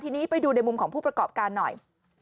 ทีนี้ไปดูในมุมของผู้ประกอบการหน่อย